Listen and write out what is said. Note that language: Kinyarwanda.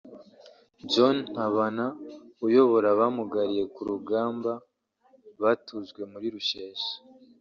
John Ntabana uyobora abamugariye ku rugamba batujwe muri Rusheshe